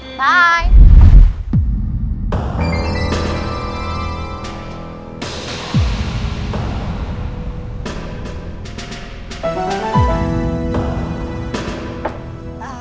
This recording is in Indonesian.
makasih ya tante